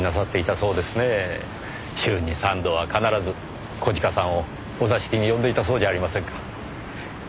週に３度は必ず小鹿さんをお座敷に呼んでいたそうじゃありませんか。